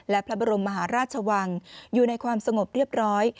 และพระบรมมหาราชวังอยู่ในความสงบเรียบร้อย